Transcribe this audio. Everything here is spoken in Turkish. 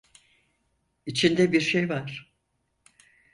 İçinde bir şey var.